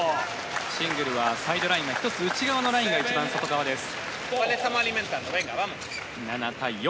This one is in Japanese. シングルはサイドラインが内側のラインが一番外側です。